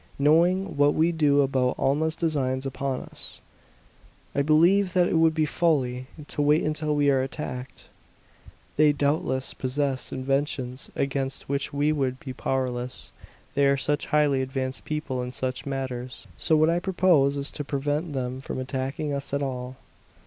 "Knowing what we do about Alma's designs upon us, I believe that it would be folly to wait until we are attacked. They doubtless possess inventions against which we would be powerless; they are such highly advanced people in such matters. So what I propose is to prevent them from attacking us at all!"